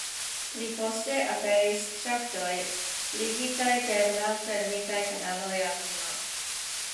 Pli poste aperis ŝaktoj, ligitaj per malfermitaj kanaloj al Nilo.